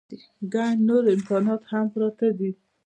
ګڼ نور امکانات هم پراته دي.